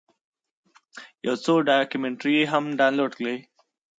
یو څو ډاکمنټرۍ هم ډاونلوډ کړې.